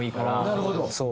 なるほど。